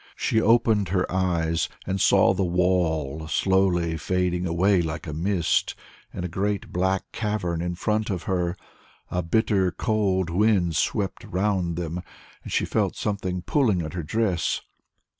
She opened her eyes, and saw the wall slowly fading away like a mist, and a great black cavern in front of her. A bitter cold wind swept round them, and she felt something pulling at her dress.